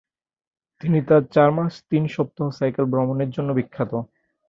তিনি তার চার মাস তিন সপ্তাহ সাইকেল-ভ্রমণের জন্য বিখ্যাত।